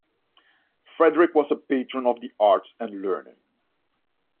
Frederick was a patron of the arts and learning.